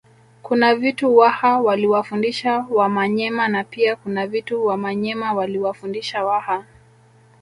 Kuna vitu Waha waliwafundisha Wamanyema na pia kuna vitu Wamanyema waliwafundisha Waha